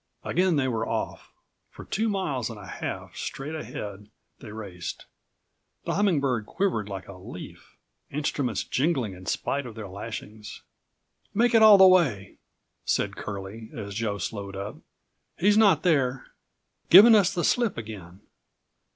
Again they were off. For two miles and a half straight ahead they raced. The Humming Bird quivered like a leaf, instruments jingling in spite of their lashings. "Make it all the way," said Curlie, as Joe slowed up. "He's not there. Given us the slip again."